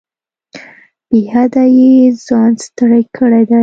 بې حده یې ځان ستړی کړی دی.